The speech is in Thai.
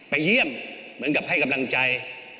เยี่ยมเหมือนกับให้กำลังใจ